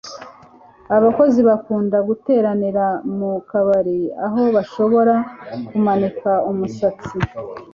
abakozi bakunda guteranira mu kabari aho bashobora kumanika umusatsi